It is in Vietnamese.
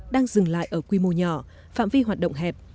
đang dừng lại ở quy mô nhỏ phạm vi hoạt động hẹp